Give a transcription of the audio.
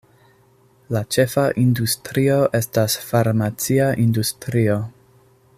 La ĉefa industrio estas farmacia industrio.